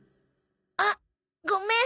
あっごめん。